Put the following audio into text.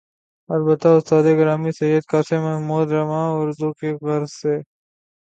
البتہ استاد گرامی سید قاسم محمود رواں اردو کی غرض سے